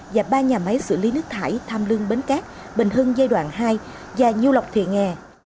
và ba nhà máy xử lý nước thải tham lương bến cát bình hưng giai đoạn hai và nhu lọc thịa nghề